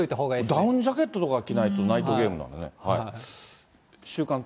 ダウンジャケットとか着ないと、ナイトゲームなんかね。